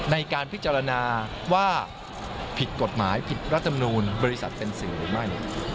ในการพิจารณาว่าผิดกฎหมายผิดรัฐมนูลบริษัทเป็นสื่อหรือไม่